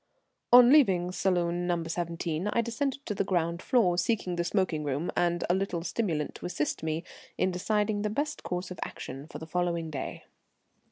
On leaving Salon No. 17 I descended to the ground floor, seeking the smoking room and a little stimulant to assist me in deciding the best course of action for the following day.